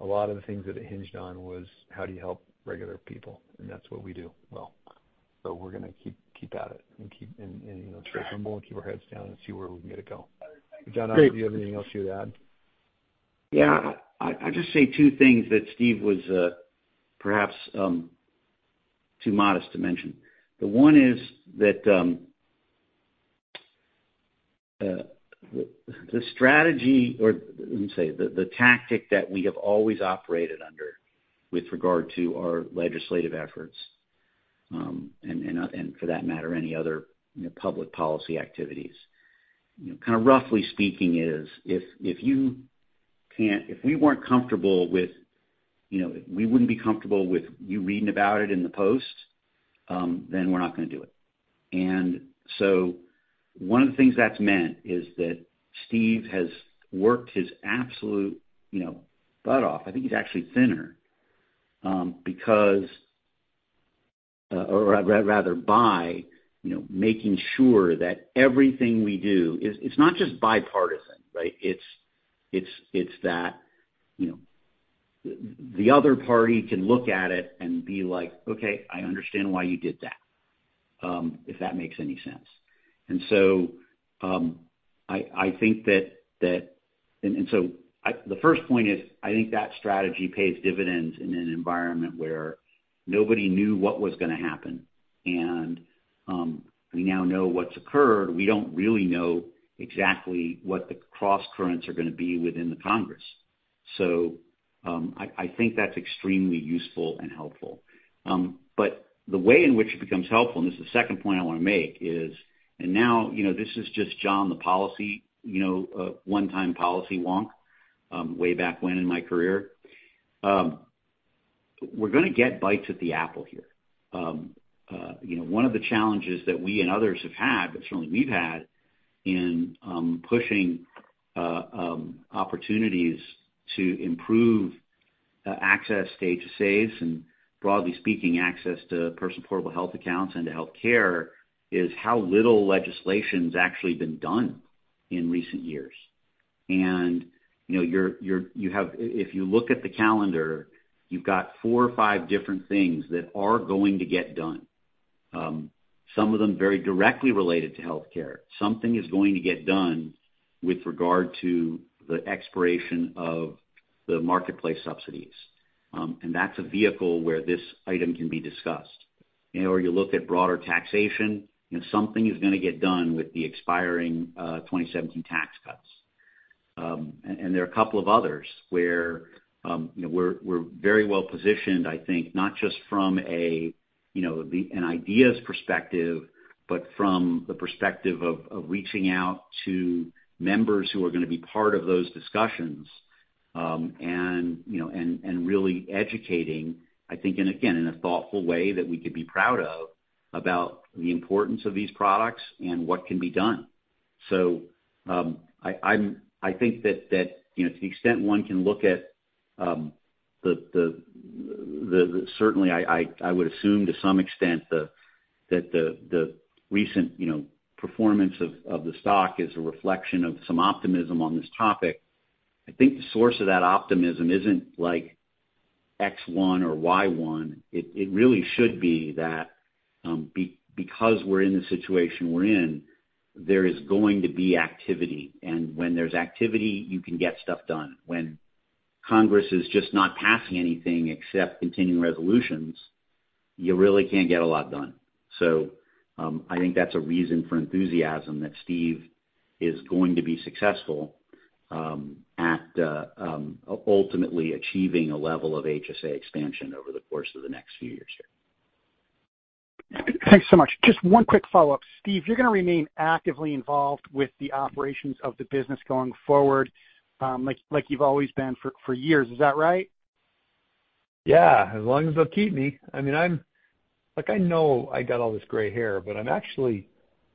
A lot of the things that it hinged on was how do you help regular people? And that's what we do well. So we're going to keep at it and stay humble and keep our heads down and see where we can get it going. Jon, do you have anything else you would add? Yeah. I'll just say two things that Steve was perhaps too modest to mention. The one is that the strategy or, let me say, the tactic that we have always operated under with regard to our legislative efforts and, for that matter, any other public policy activities, kind of roughly speaking, is if we weren't comfortable with, we wouldn't be comfortable with you reading about it in the Post, then we're not going to do it. And so one of the things that's meant is that Steve has worked his absolute butt off. I think he's actually thinner because, or rather by making sure that everything we do, it's not just bipartisan, right? It's that the other party can look at it and be like, "Okay, I understand why you did that," if that makes any sense. I think that the first point is I think that strategy pays dividends in an environment where nobody knew what was going to happen. We now know what has occurred. We do not really know exactly what the cross currents are going to be within the Congress. I think that is extremely useful and helpful. The way in which it becomes helpful, and this is the second point I want to make, is, and now this is just Jon, the one-time policy wonk way back when in my career. We are going to get bites at the apple here. One of the challenges that we and others have had, but certainly we have had, in pushing opportunities to improve access to HSAs and, broadly speaking, access to person-portable health accounts and to healthcare is how little legislation has actually been done in recent years. And if you look at the calendar, you've got four or five different things that are going to get done. Some of them very directly related to healthcare. Something is going to get done with regard to the expiration of the marketplace subsidies. And that's a vehicle where this item can be discussed. Or you look at broader taxation, and something is going to get done with the expiring 2017 tax cuts. And there are a couple of others where we're very well positioned, I think, not just from an ideas perspective, but from the perspective of reaching out to members who are going to be part of those discussions and really educating, I think, and again, in a thoughtful way that we could be proud of about the importance of these products and what can be done. So I think that to the extent one can look at the, certainly, I would assume to some extent that the recent performance of the stock is a reflection of some optimism on this topic. I think the source of that optimism isn't X1 or Y1. It really should be that because we're in the situation we're in, there is going to be activity, and when there's activity, you can get stuff done. When Congress is just not passing anything except continuing resolutions, you really can't get a lot done, so I think that's a reason for enthusiasm that Steve is going to be successful at ultimately achieving a level of HSA expansion over the course of the next few years here. Thanks so much. Just one quick follow-up. Steve, you're going to remain actively involved with the operations of the business going forward like you've always been for years. Is that right? Yeah. As long as they'll keep me. I mean, I know I got all this gray hair, but I'm actually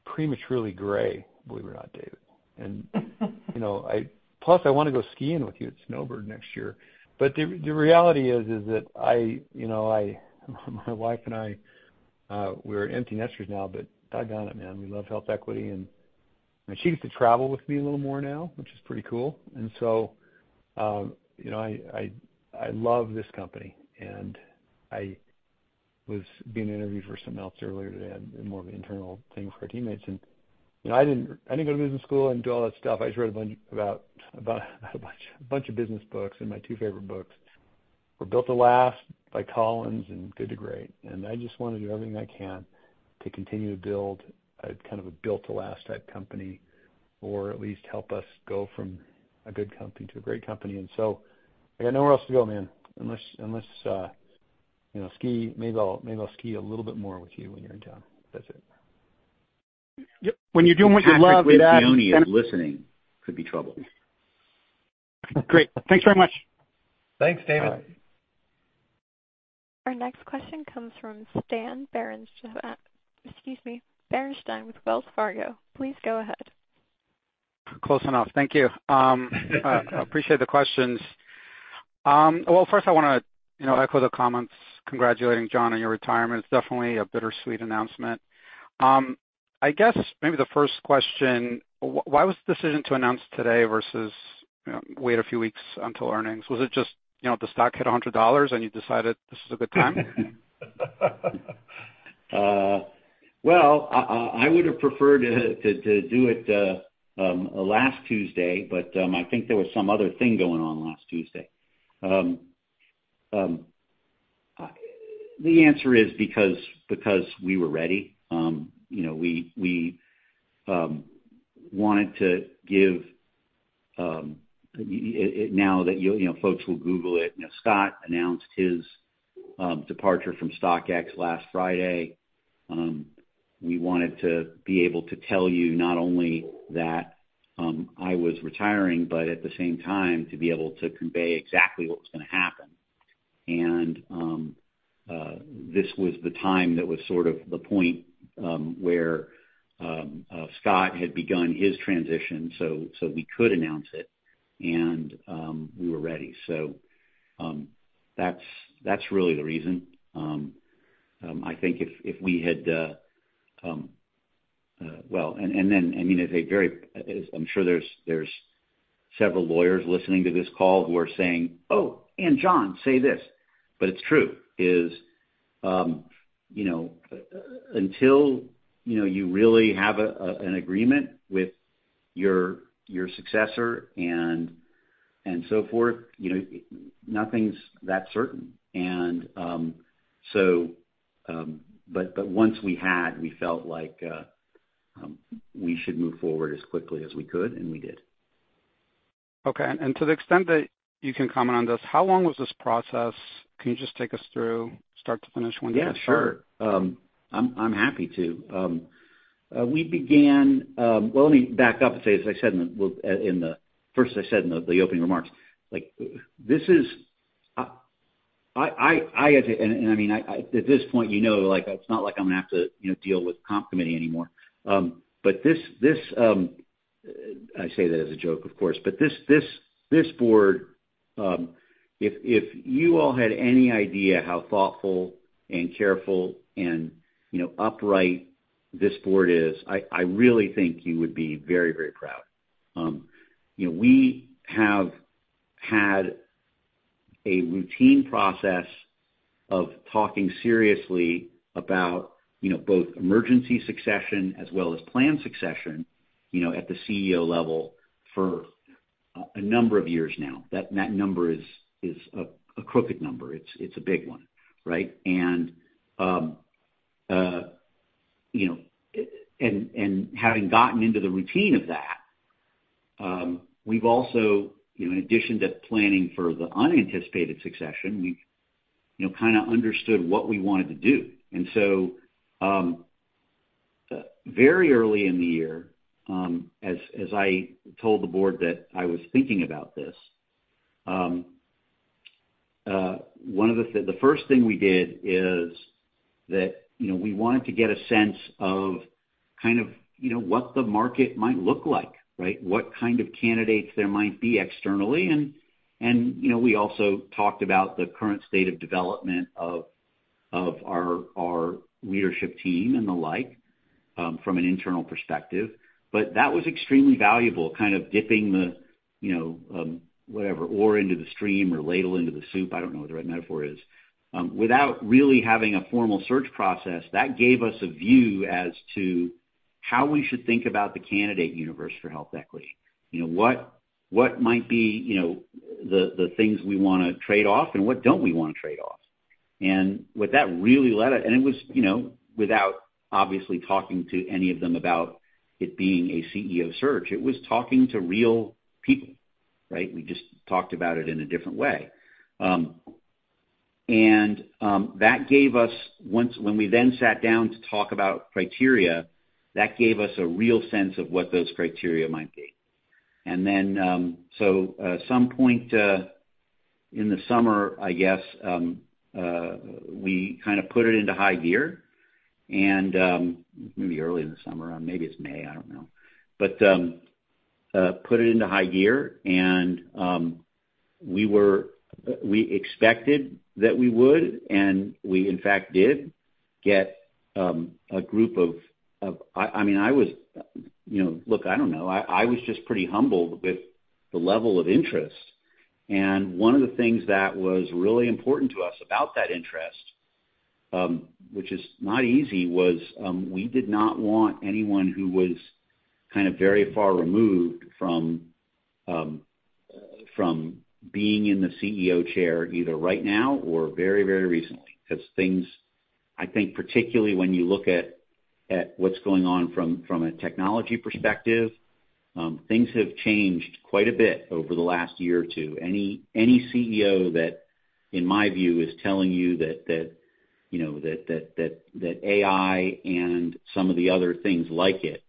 prematurely gray, believe it or not, David, and plus, I want to go skiing with you at Snowbird next year, but the reality is that my wife and I, we're empty nesters now, but doggone it, man, we love HealthEquity, and she gets to travel with me a little more now, which is pretty cool, and so I love this company, and I was being interviewed for something else earlier today, more of an internal thing for our teammates, and I didn't go to business school and do all that stuff. I just read a bunch about a bunch of business books, and my two favorite books were Built to Last by Collins and Good to Great. I just want to do everything I can to continue to build kind of a Built to Last type company or at least help us go from a good company to a great company. I got nowhere else to go, man, unless maybe I'll ski a little bit more with you when you're in town. That's it. Yep. When you're doing what you love, we've had. That's exactly what we're doing. Listening could be trouble. Great. Thanks very much. Thanks, David. All right. Our next question comes from Stan Berenshteyn, excuse me, Berenshteyn with Wells Fargo. Please go ahead. Close enough. Thank you. I appreciate the questions. First, I want to echo the comments, congratulating Jon on your retirement. It's definitely a bittersweet announcement. I guess maybe the first question, why was the decision to announce today versus wait a few weeks until earnings? Was it just the stock hit $100 and you decided this is a good time? Well, I would have preferred to do it last Tuesday, but I think there was some other thing going on last Tuesday. The answer is because we were ready. We wanted to give, now that folks will Google it, Scott announced his departure from StockX last Friday. We wanted to be able to tell you not only that I was retiring, but at the same time to be able to convey exactly what was going to happen. And this was the time that was sort of the point where Scott had begun his transition so we could announce it. And we were ready. So that's really the reason. I think if we had, well, and then, I mean, I'm sure there's several lawyers listening to this call who are saying, "Oh, and Jon, say this." But it's true. It's until you really have an agreement with your successor and so forth, nothing's that certain. And so, but once we had, we felt like we should move forward as quickly as we could, and we did. Okay. And to the extent that you can comment on this, how long was this process? Can you just take us through start to finish one day? Yeah, sure. I'm happy to. We began. Well, let me back up and say, as I said in the first, I said in the opening remarks, this is. And I mean, at this point, you know it's not like I'm going to have to deal with Comp Committee anymore. But this. I say that as a joke, of course. But this board, if you all had any idea how thoughtful and careful and upright this board is, I really think you would be very, very proud. We have had a routine process of talking seriously about both emergency succession as well as planned succession at the CEO level for a number of years now. That number is a crooked number. It's a big one, right? And having gotten into the routine of that, we've also, in addition to planning for the unanticipated succession, we've kind of understood what we wanted to do. Very early in the year, as I told the board that I was thinking about this, one of the first things we did is that we wanted to get a sense of kind of what the market might look like, right? What kind of candidates there might be externally. We also talked about the current state of development of our leadership team and the like from an internal perspective. That was extremely valuable, kind of dipping the whatever, ore into the stream or ladle into the soup. I don't know what the right metaphor is. Without really having a formal search process, that gave us a view as to how we should think about the candidate universe for HealthEquity. What might be the things we want to trade off and what don't we want to trade off? And what that really led, and it was without, obviously, talking to any of them about it being a CEO search. It was talking to real people, right? We just talked about it in a different way. And that gave us, when we then sat down to talk about criteria, that gave us a real sense of what those criteria might be. And then so at some point in the summer, I guess, we kind of put it into high gear. And maybe early in the summer, maybe it's May, I don't know. But put it into high gear. And we expected that we would. And we, in fact, did get a group of. I mean, I was. Look, I don't know. I was just pretty humbled with the level of interest. And one of the things that was really important to us about that interest, which is not easy, was we did not want anyone who was kind of very far removed from being in the CEO chair either right now or very, very recently. Because things, I think, particularly when you look at what's going on from a technology perspective, things have changed quite a bit over the last year or two. Any CEO that, in my view, is telling you that AI and some of the other things like it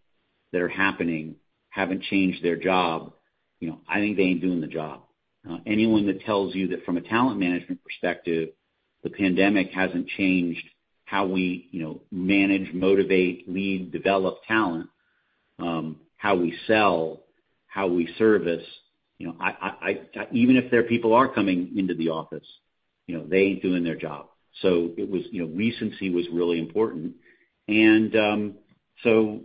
that are happening haven't changed their job, I think they ain't doing the job. Anyone that tells you that from a talent management perspective, the pandemic hasn't changed how we manage, motivate, lead, develop talent, how we sell, how we service, even if there are people coming into the office, they ain't doing their job. So recency was really important. And so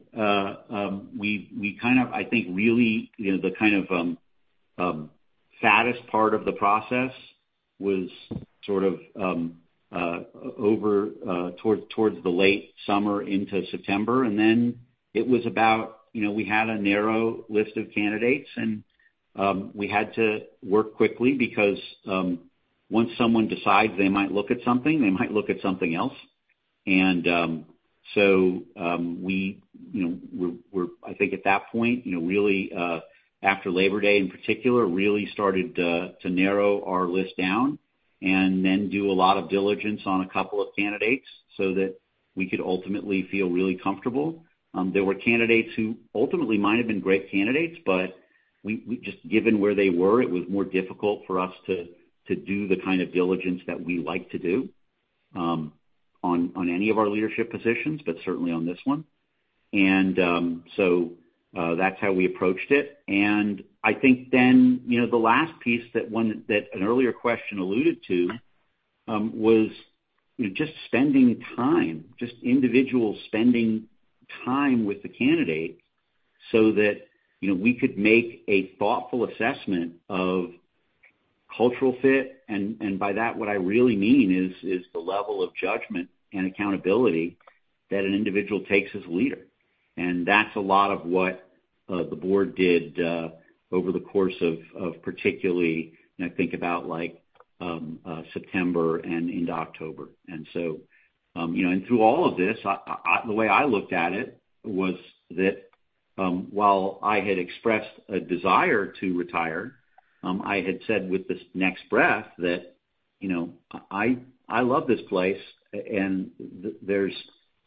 we kind of, I think, really the kind of fattest part of the process was sort of towards the late summer into September. And then it was about we had a narrow list of candidates. And we had to work quickly because once someone decides, they might look at something, they might look at something else. And so we were, I think, at that point, really after Labor Day in particular, really started to narrow our list down and then do a lot of diligence on a couple of candidates so that we could ultimately feel really comfortable. There were candidates who ultimately might have been great candidates, but just given where they were, it was more difficult for us to do the kind of diligence that we like to do on any of our leadership positions, but certainly on this one. And so that's how we approached it. And I think then the last piece that an earlier question alluded to was just spending time, just individuals spending time with the candidate so that we could make a thoughtful assessment of cultural fit. And by that, what I really mean is the level of judgment and accountability that an individual takes as a leader. And that's a lot of what the board did over the course of particularly, I think, about September and into October. And so through all of this, the way I looked at it was that while I had expressed a desire to retire, I had said with this next breath that I love this place, and there's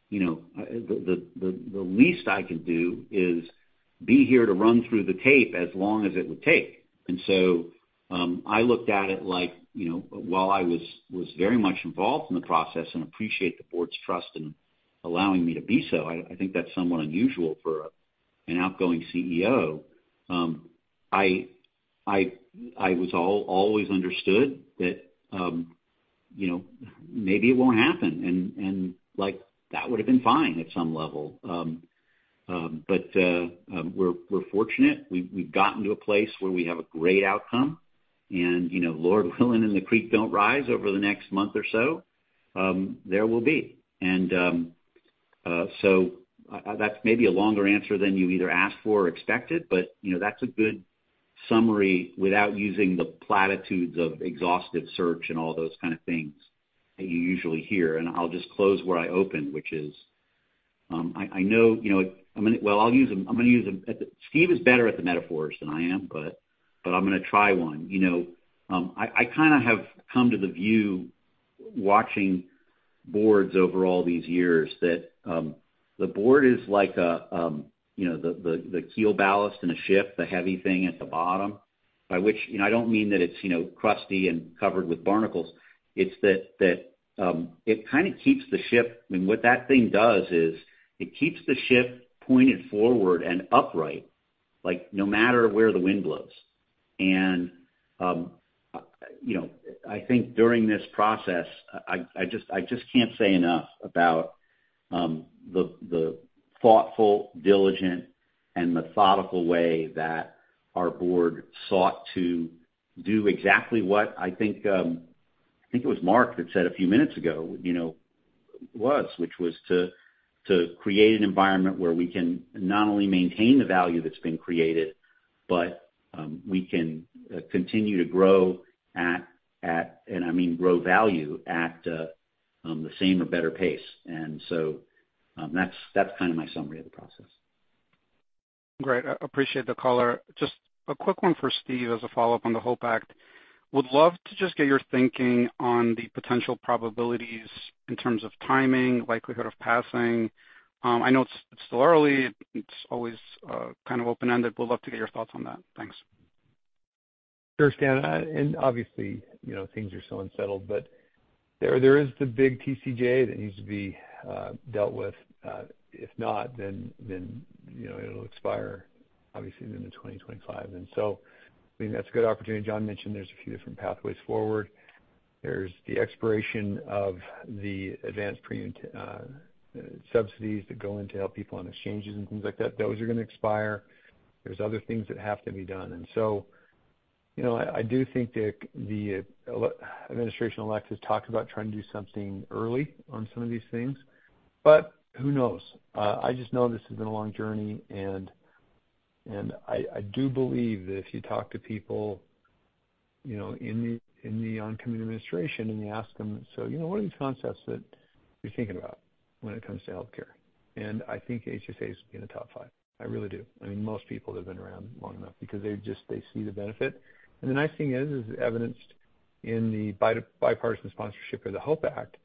the least I can do is be here to run through the tape as long as it would take. And so I looked at it like while I was very much involved in the process and appreciate the board's trust in allowing me to be so. I think that's somewhat unusual for an outgoing CEO. I was always understood that maybe it won't happen. And that would have been fine at some level. But we're fortunate. We've gotten to a place where we have a great outcome. And Lord willing and the creek don't rise over the next month or so, there will be. And so that's maybe a longer answer than you either asked for or expected, but that's a good summary without using the platitudes of exhaustive search and all those kind of things that you usually hear. I'll just close where I opened, which is I know I'm going to, well, I'll use, I'm going to use, Steve is better at the metaphors than I am, but I'm going to try one. I kind of have come to the view, watching boards over all these years, that the board is like the keel ballast in a ship, the heavy thing at the bottom, by which I don't mean that it's crusty and covered with barnacles. It's that it kind of keeps the ship, I mean, what that thing does is it keeps the ship pointed forward and upright no matter where the wind blows. And I think during this process, I just can't say enough about the thoughtful, diligent, and methodical way that our board sought to do exactly what I think it was Mark that said a few minutes ago was, which was to create an environment where we can not only maintain the value that's been created, but we can continue to grow at - and I mean grow value at the same or better pace. And so that's kind of my summary of the process. Great. I appreciate the caller. Just a quick one for Steve as a follow-up on the HOPE Act. Would love to just get your thinking on the potential probabilities in terms of timing, likelihood of passing? I know it's still early. It's always kind of open-ended. Would love to get your thoughts on that. Thanks. Sure, Stan. And obviously, things are so unsettled, but there is the big TCJA that needs to be dealt with. If not, then it'll expire, obviously, in 2025. And so I think that's a good opportunity. Jon mentioned there's a few different pathways forward. There's the expiration of the advance premium subsidies that go in to help people on exchanges and things like that. Those are going to expire. There's other things that have to be done. And so I do think that the administration-elect has talked about trying to do something early on some of these things. But who knows? I just know this has been a long journey. I do believe that if you talk to people in the oncoming administration and you ask them, "So what are these concepts that you're thinking about when it comes to healthcare?" I think HSA is going to top five. I really do. I mean, most people that have been around long enough because they see the benefit. The nice thing is, as evidenced in the bipartisan sponsorship of the HOPE Act,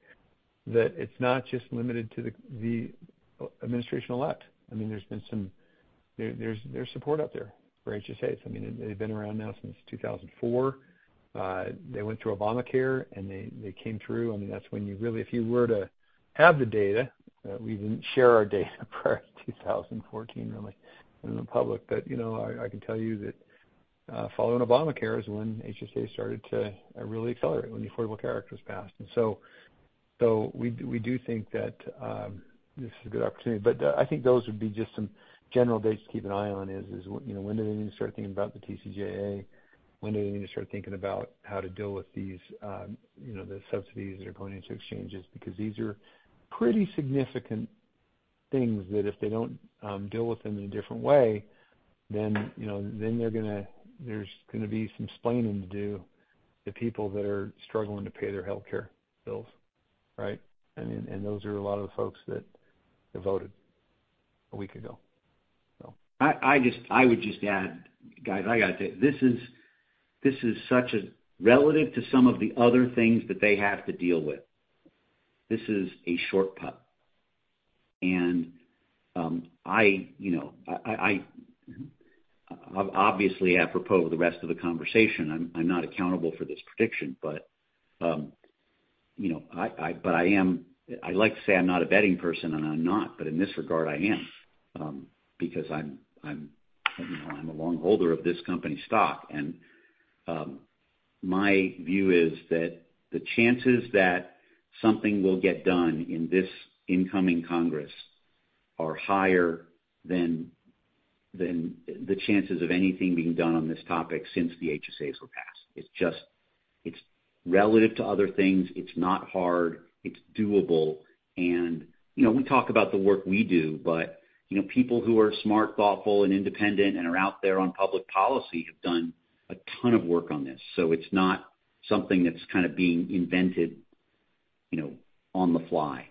that it's not just limited to the administration-elect. I mean, there's been some, there's support out there for HSAs. I mean, they've been around now since 2004. They went through Obamacare, and they came through. I mean, that's when you really, if you were to have the data, we didn't share our data prior to 2014, really, in the public. But I can tell you that following Obamacare is when HSA started to really accelerate when the Affordable Care Act was passed. And so we do think that this is a good opportunity. But I think those would be just some general dates to keep an eye on is when do they need to start thinking about the TCJA? When do they need to start thinking about how to deal with these subsidies that are going into exchanges? Because these are pretty significant things that if they don't deal with them in a different way, then there's going to be some explaining to do to people that are struggling to pay their healthcare bills, right? And those are a lot of the folks that voted a week ago, so. I would just add, guys. I got to say, this is such a small thing relative to some of the other things that they have to deal with. This is a slam dunk. And obviously, apropos of the rest of the conversation, I'm not accountable for this prediction. But I like to say I'm not a betting person, and I'm not. But in this regard, I am because I'm a long holder of this company's stock. And my view is that the chances that something will get done in this incoming Congress are higher than the chances of anything being done on this topic since the HSAs were passed. It's relative to other things. It's not hard. It's doable. And we talk about the work we do, but people who are smart, thoughtful, and independent, and are out there on public policy have done a ton of work on this. So it's not something that's kind of being invented on the fly.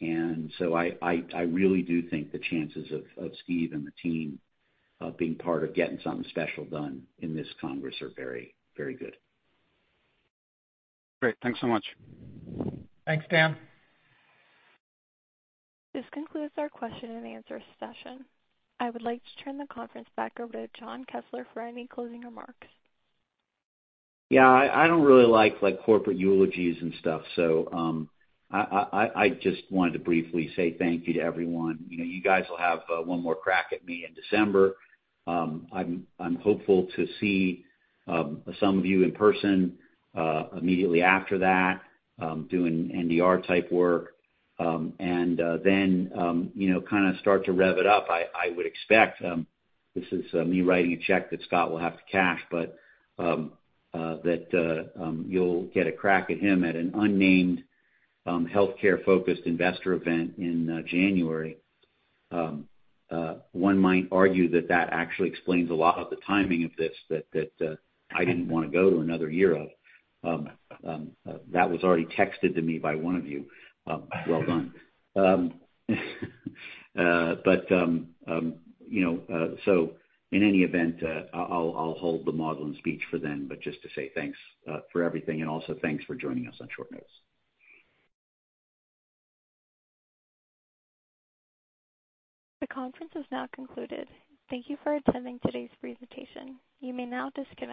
And so I really do think the chances of Steve and the team being part of getting something special done in this Congress are very, very good. Great. Thanks so much. Thanks, Stan. This concludes our question and answer session. I would like to turn the conference back over to Jon Kessler for any closing remarks. Yeah. I don't really like corporate eulogies and stuff. So I just wanted to briefly say thank you to everyone. You guys will have one more crack at me in December. I'm hopeful to see some of you in person immediately after that, doing NDR-type work, and then kind of start to rev it up. I would expect (this is me writing a check that Scott will have to cash) but that you'll get a crack at him at an unnamed healthcare-focused investor event in January. One might argue that that actually explains a lot of the timing of this that I didn't want to go to another year of. That was already texted to me by one of you. Well done, but so in any event, I'll hold the maudlin speech for then, but just to say thanks for everything and also thanks for joining us on short notice. The conference is now concluded. Thank you for attending today's presentation. You may now disconnect.